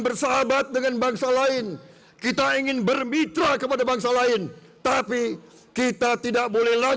bersahabat dengan bangsa lain kita ingin bermitra kepada bangsa lain tapi kita tidak boleh